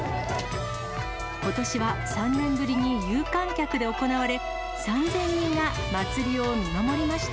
ことしは３年ぶりに有観客で行われ、３０００人が祭りを見守りました。